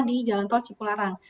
di jalan tol cikularang